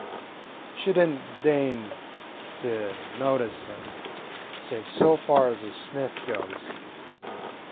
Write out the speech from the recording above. She did n't deign to notice him, save so far as a sniff goes.